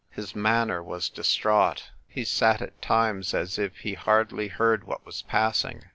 His manner was distraught; he sat at times as if he hardly heard what was passing.